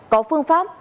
có phương pháp